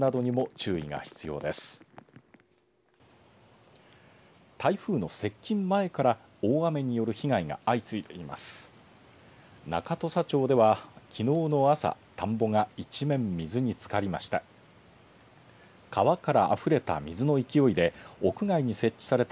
中土佐町では、きのうの朝田んぼが一面水につかりました。